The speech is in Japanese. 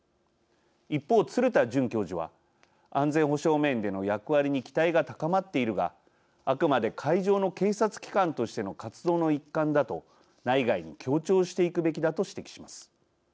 一方、鶴田准教授は安全保障面での役割に期待が高まっているがあくまで海上の警察機関としての活動の一環だと内外に強調していくべきだと指摘します。